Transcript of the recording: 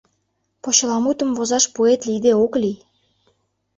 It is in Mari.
Почеламутым возаш поэт лийде ок лий.